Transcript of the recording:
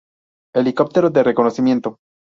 Helicóptero de reconocimiento.